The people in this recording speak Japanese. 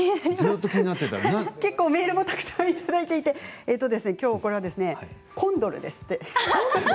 結構メールもたくさん、いただいていてきょうのこれはコンドルですって。